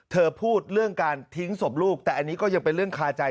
เธอพูดเรื่องการทิ้งศพลูกแต่อันนี้ก็ยังเป็นเรื่องคาใจ